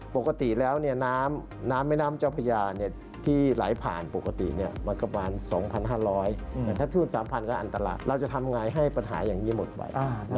ปกติแล้วน้ำแม่น้ำเจ้าพญาที่ไหลผ่านปกติมันก็ประมาณ๒๕๐๐แต่ถ้าทูต๓๐๐ก็อันตรายเราจะทำไงให้ปัญหาอย่างนี้หมดไป